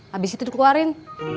habis itu tuh keluarin